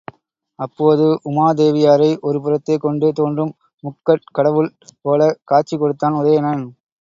அப்போது உமாதேவியாரை ஒரு புறத்தே கொண்டு தோன்றும் முக்கட் கடவுள் போல்க் காட்சி கொடுத்தான் உதயணன்.